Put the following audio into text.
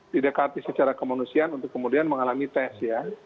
didekati secara kemanusiaan untuk kemudian mengalami tes ya